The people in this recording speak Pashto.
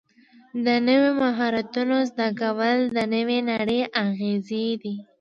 د نویو مهارتونو زده کول د نوې نړۍ اغېزې دي.